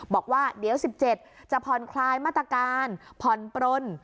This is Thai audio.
บอกว่าเดี๋ยว๑๗จะผ่อนคลายมาตรการผ่อนปลน